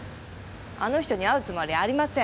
あの人に会うつもりはありません！